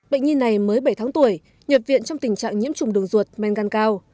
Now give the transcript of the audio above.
bệnh nhi này mới bảy tháng tuổi nhập viện trong tình trạng nhiễm trùng đường ruột men gan cao